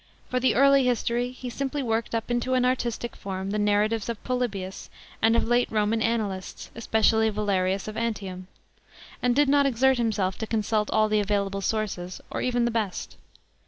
For the early history he simply worked up into an artistic form the narratives of Polybius and of late Roman annalists, especially Valerius of Antium ; and did not exert himself to consult all the available sources, or even the best.